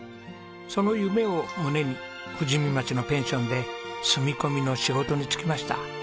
その夢を胸に富士見町のペンションで住み込みの仕事に就きました。